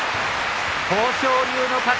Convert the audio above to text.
豊昇龍の勝ち。